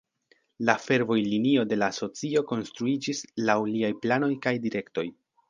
La fervojlinio de la asocio konstruiĝis laŭ liaj planoj kaj direktoj.